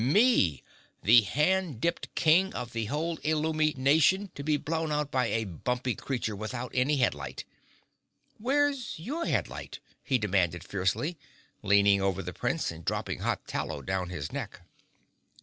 Me, the hand dipped King of the whole Illumi Nation, to be blown out by a bumpy creature without any headlight. Where's your headlight?" he demanded fiercely, leaning over the Prince and dropping hot tallow down his neck.